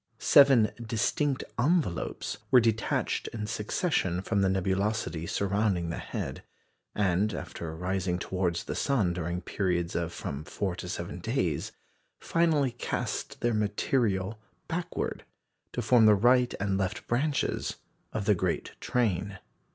Seven distinct "envelopes" were detached in succession from the nebulosity surrounding the head, and after rising towards the sun during periods of from four to seven days, finally cast their material backward to form the right and left branches of the great train.